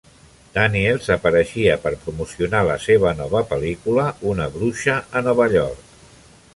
Daniels apareixia per promocionar la seva nova pel·lícula, "Una bruixa a Nova York".